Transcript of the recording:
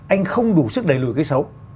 anh không đủ sức đẩy lùi cái xấu